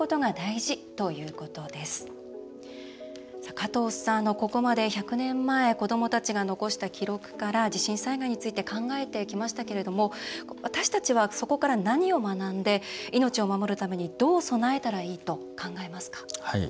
加藤さん、ここまで１００年前、子どもたちが残した記録から地震災害について考えてきましたけれども私たちは、そこから何を学んで命を守るためにどう備えたらいいと考えますか？